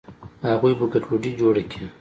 اغوئ به ګډوډي جوړه کي.